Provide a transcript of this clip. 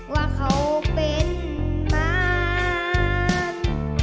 ว่าเขาเป็นบ้าน